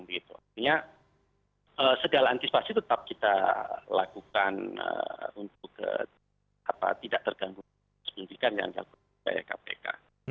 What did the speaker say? artinya segala antisipasi tetap kita lakukan untuk tidak terganggu penyelidikan yang dilakukan oleh kpk